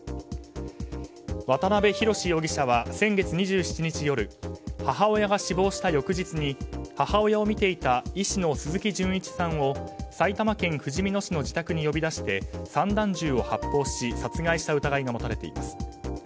渡辺宏容疑者は先月２７日夜母親が死亡した翌日に母親を診ていた医師の鈴木純一さんを埼玉県ふじみ野市の自宅に呼び出して散弾銃を発砲し殺害した疑いが持たれています。